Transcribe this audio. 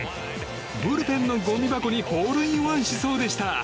ブルペンのごみ箱にホールインワンしそうでした。